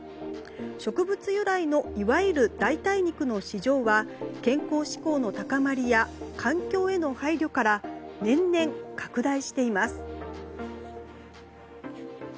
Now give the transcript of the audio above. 植物由来のいわゆる代替肉の市場は健康志向の高まりや環境への配慮から年々拡大しています。